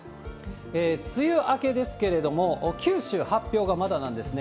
梅雨明けですけれども、九州、発表がまだなんですね。